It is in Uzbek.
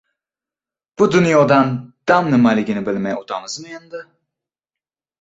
— Bu dunyodan dam nimaligini bilmay o‘tamizmi endi.